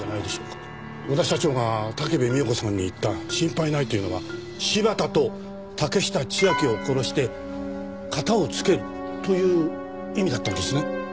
小田社長が武部美代子さんに言った「心配ない」というのは柴田と竹下千晶を殺して片を付けるという意味だったんですね？